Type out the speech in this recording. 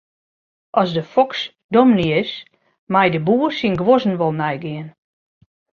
As de foks dominy is, mei de boer syn guozzen wol neigean.